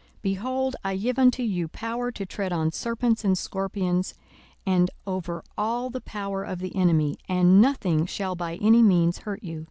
42:010:019 Behold, I give unto you power to tread on serpents and scorpions, and over all the power of the enemy: and nothing shall by any means hurt you.